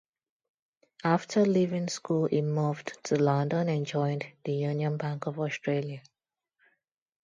After leaving school he moved to London and joined the Union Bank of Australia.